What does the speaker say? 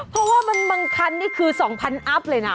เพราะว่าบางคันนี่คือ๒๐๐อัพเลยนะ